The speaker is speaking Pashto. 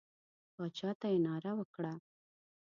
باچا ته یې ناره وکړه.